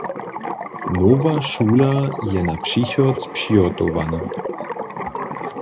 Nowa šula je na přichod přihotowana.